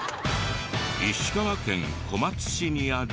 石川県小松市にある。